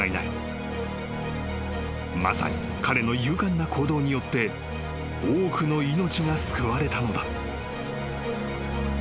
［まさに彼の勇敢な行動によって多くの命が救われたのだ］